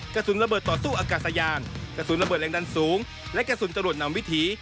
กระสุนระเบิดต่อสู้อากาศยานกระสุนระเบิดแรงดันสูงและกระสุนจรวดนำวิถี